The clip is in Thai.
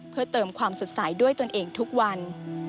เพื่อเติมความสดใสด้วยตนเองทุกวัน